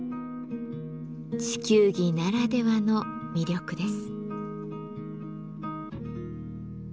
地球儀ならではの魅力です。